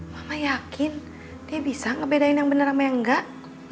bapak yakin dia bisa ngebedain yang benar sama yang enggak